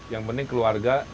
yang penting keluarga